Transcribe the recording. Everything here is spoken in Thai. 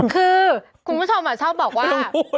คือคุณผู้ชมชอบบอกว่า